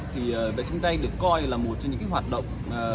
thì vệ sinh tay được coi là một trong những hoạt động